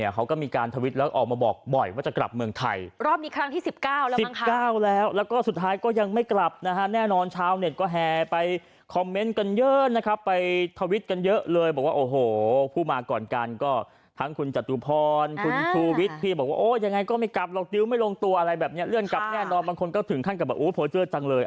เขาก็มีการทวิตว์แล้วออกมาบอกบ่อยว่ากลับมาเมืองไทย